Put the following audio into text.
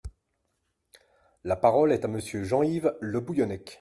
La parole est à Monsieur Jean-Yves Le Bouillonnec.